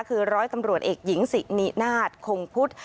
คือร้อยตำรวจเอกหญิงสินินาศคงพุทธ